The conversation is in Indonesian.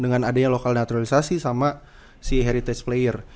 dengan adanya lokal naturalisasi sama si heritage player